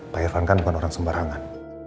pak irfan kan bukan orang sembarangan